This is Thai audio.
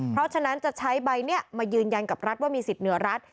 เพราะฉะนั้นจะใช้ใบนี้มายืนยันกับรัฐว่ามีสิทธิ์เหนือรัฐ